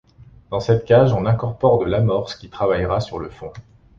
Dans cette cage, on incorpore de l'amorce qui travaillera sur le fond.